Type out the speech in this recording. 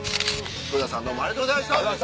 黒田さんどうもありがとうございました。